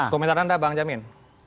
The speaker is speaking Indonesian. komentar anda bang jamin